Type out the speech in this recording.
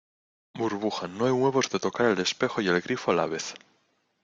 burbuja, no hay huevos de tocar el espejo y el grifo a la vez.